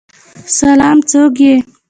سلام، څوک یی؟